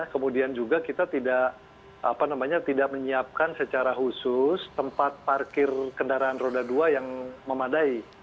kemudian juga kita tidak menyiapkan secara khusus tempat parkir kendaraan roda dua yang memadai